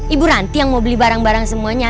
ibu ranti yang mau beli barang barang semuanya